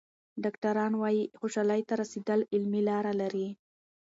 ډاکټران وايي خوشحالۍ ته رسېدل علمي لاره لري.